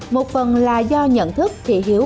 một phần là do nhận thức thị hiếu